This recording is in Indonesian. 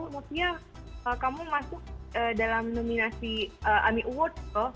maksudnya kamu masuk dalam nominasi amiwords lho